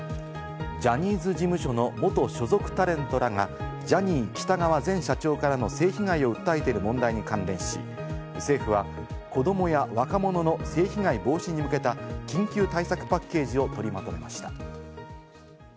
ジャニーズ事務所の元所属タレントらがジャニー喜多川前社長からの性被害を訴えている問題に関連し、政府は子どもや若者の性被害防止に向けた緊急対策パッケージを取りまとめました。